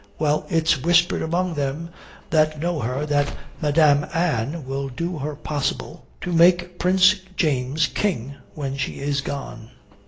Well, it's whispered among them that know her that Madame Anne will do her possible to make Prince James King when she is gone."